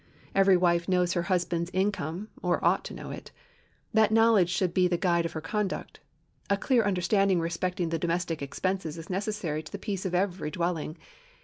Every wife knows her husband's income or ought to know it. That knowledge should be the guide of her conduct. A clear understanding respecting the domestic expenses is necessary to the peace of every dwelling.